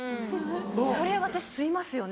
それ私吸いますよね。